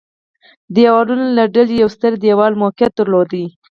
دېوالونو له ډلې یو ستر دېوال موقعیت درلود.